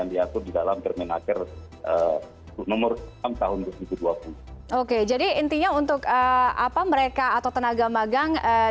sebenarnya nirwanalight juga memang lebih bertest dengan menorong keputusan dijual minggu lalu kita mulai berkontrolnya dari berapa mobil kita pada masa yang berbeda